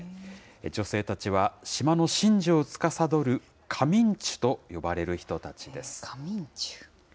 女性たちは、島の神事をつかさどる神人と呼ばれる人たちです。